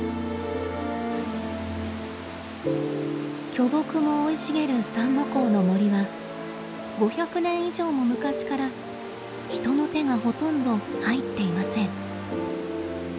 巨木も生い茂る三之公の森は５００年以上も昔から人の手がほとんど入っていません。